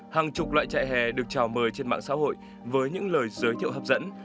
hàng chục loại chạy hè được trào mời trên mạng xã hội với những lời giới thiệu hấp dẫn